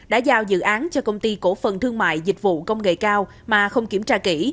đã giao dự án cho công ty cổ phần thương mại dịch vụ công nghệ cao mà không kiểm tra kỹ